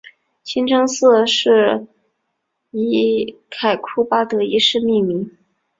清真寺是以凯库巴德一世命名。